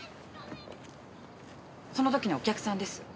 その時のお客さんです。